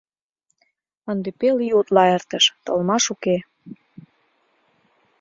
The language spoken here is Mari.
Ынде пел ий утла эртыш — толмаш уке.